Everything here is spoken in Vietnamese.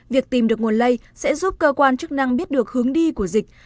việc tìm được nguồn lây sẽ giúp cơ quan chức năng biết được hướng đi của dịch